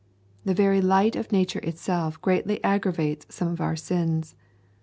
The very light of nature itself greatly aggravates some of our sins.